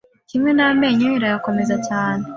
kimwe n’amenyo irayakomeza cyane